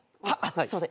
すいません。